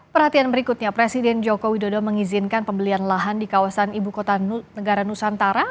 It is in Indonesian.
perhatian berikutnya presiden joko widodo mengizinkan pembelian lahan di kawasan ibu kota negara nusantara